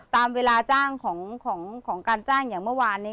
ตามเวลาจ้างของการจ้างอย่างเมื่อวานนี้